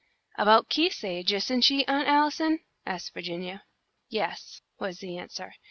"About Keith's age, isn't she, Aunt Allison?" asked Virginia. "Yes," was the answer.